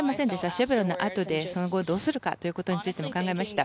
シェブロンのあとでその後どうするかということを考えました。